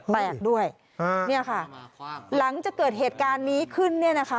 แตกด้วยเนี่ยค่ะหลังจากเกิดเหตุการณ์นี้ขึ้นเนี่ยนะคะ